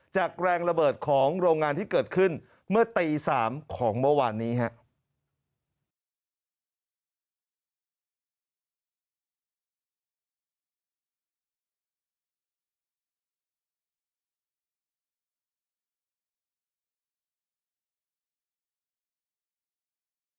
จากแรงระเบิดของโรงงานที่เกิดขึ้นเมื่อตี๓ของเมื่อวานนี้ครับ